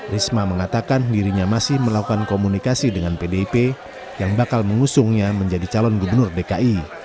risma mengatakan dirinya masih melakukan komunikasi dengan pdip yang bakal mengusungnya menjadi calon gubernur dki